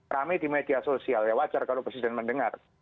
rame di media sosial ya wajar kalau presiden mendengar